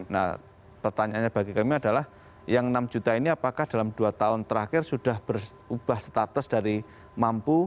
nah pertanyaannya bagi kami adalah yang enam juta ini apakah dalam dua tahun terakhir sudah berubah status dari mampu